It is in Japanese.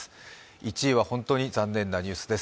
１位は本当に残念なニュースです。